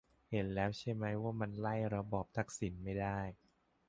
เห็นแล้วใช่ไหมว่ามันไล่ระบอบทักษิณไม่ได้